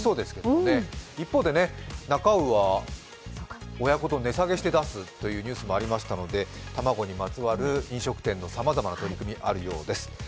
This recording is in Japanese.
一方でなか卯は親子丼を値下げして出すそうですので卵にまつわる飲食店のさまざまな取り組みがあるようです。